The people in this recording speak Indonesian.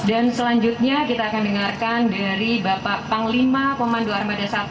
dan selanjutnya kita akan dengarkan dari bapak panglima pemandu armada i